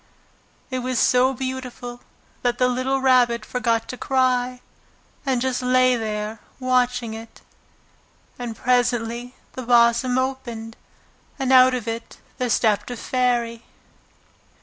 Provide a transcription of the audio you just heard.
It was so beautiful that the little Rabbit forgot to cry, and just lay there watching it. And presently the blossom opened, and out of it there stepped a fairy.